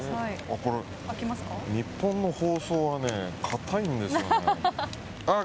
日本の包装は固いんですよ。